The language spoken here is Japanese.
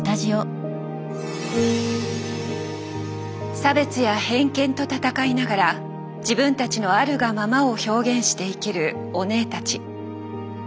差別や偏見と闘いながら自分たちのあるがままを表現して生きるオネエたち。